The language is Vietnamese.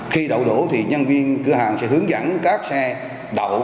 khi đậu đổ thì nhân viên cửa hàng sẽ hướng dẫn các xe đậu